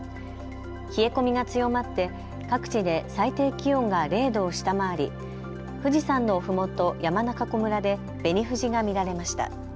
冷え込みが強まって各地で最低気温が０度を下回り富士山のふもと、山中湖村で紅富士が見られました。